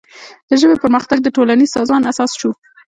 د ژبې پرمختګ د ټولنیز سازمان اساس شو.